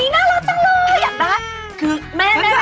อุ๊ยน่ารักจังเลยอยากรัก